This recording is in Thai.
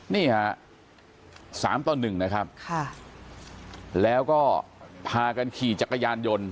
นี่ฮะสามต่อหนึ่งนะครับค่ะแล้วก็พากันขี่จักรยานยนต์